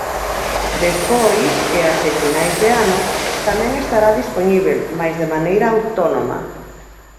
Despois, e até finais de ano, tamén estará dispoñíbel mais de maneira autónoma.